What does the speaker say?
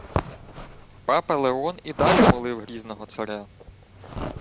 Папа Леон і далі молив грізного царя: